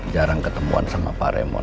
jarang ketemuan sama pak remon